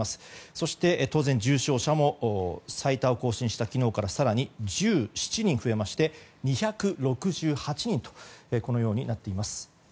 そして、当然重症者も、最多を更新した昨日から更に１７人増えまして２６８人となっています。